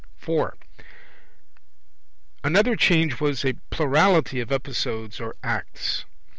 (4) Another change was a plurality of episodes or acts.